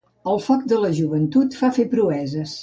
El foc de la joventut fa fer proeses.